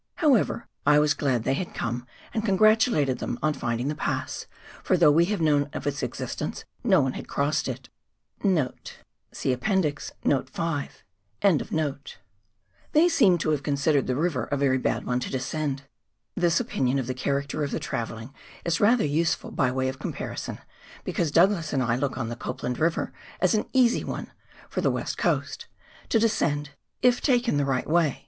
However, I was glad they had come, and congratulated them on finding the pass, for though we had known of its existence, no one had crossed it. * They seemed to have considered the river a very bad one to descend. This opinion of the character of the travelling is rather useful by way of comparison, because Douglas and I look on the Copland River as an easy one — for the West Coast — to descend, (/' taken the right way.